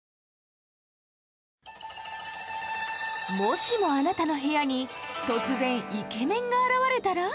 もしもあなたの部屋に突然イケメンが現れたら？